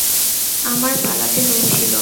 আমার পালাতে হয়েছিল।